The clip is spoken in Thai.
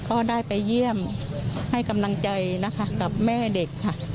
ก็ได้ไปเยี่ยมให้กำลังใจนะคะกับแม่เด็กค่ะ